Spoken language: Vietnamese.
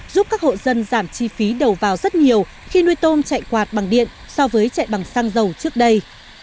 giúp các hộ dân giảm chi phí đầu vào rất nhiều khi nuôi tôm chạy quạt bằng điện so với chạy bằng xăng dầu trước đây